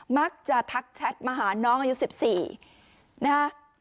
มักจะทักแชทมาหาน้องอายุ๑๔นะฮะ